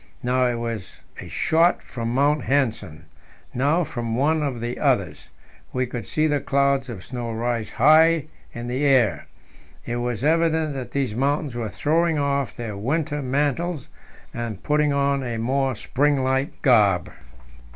Now it was a shot from Mount Nansen, now from one of the others; we could see the clouds of snow rise high into the air. It was evident that these mountains were throwing off their winter mantles and putting on a more spring like garb.